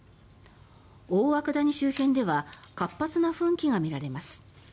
大涌谷周辺では活発な噴気が見られます。